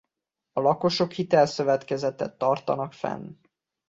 A lakosok hitelszövetkezetet tartanak fenn.